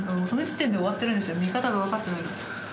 その時点で終わってるんですよ、見方が全然分かってない。